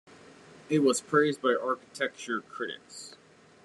It was praised by architecture critics.